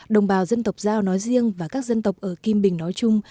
đồng bào dân tộc giao nói riêng và các dân tộc ở kim bình nói chung